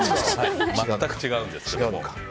全く違うんですけども。